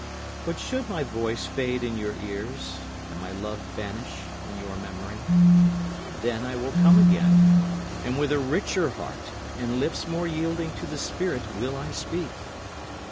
But should my voice fade in your ears, and my love vanish in your memory, then I will come again, And with a richer heart and lips more yielding to the spirit will I speak.